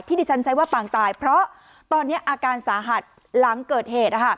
ที่ดิฉันใช้ว่าปางตายเพราะตอนนี้อาการสาหัสหลังเกิดเหตุ